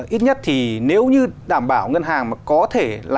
ít nhất thì nếu như đảm bảo ngân hàng có thể